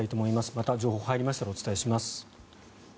また情報が入りましたらお伝えします。